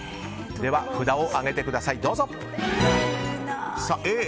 では、札を上げください。